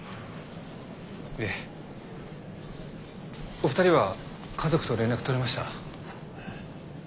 お二人は家族と連絡取れました？